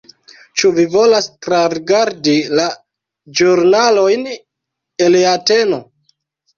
Ĉu vi volas trarigardi la ĵurnalojn el Ateno?